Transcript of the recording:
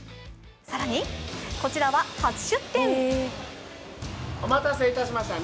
更に、こちらは初出店。